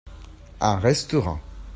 Un restaurant.